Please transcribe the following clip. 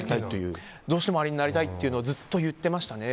どうしてもあれになりたいというのをずっと言っていましたね。